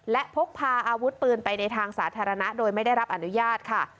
และพกพาอาวุธปืนไปในทางสาธารณะโดยไม่ได้รับอนุญาตค่ะ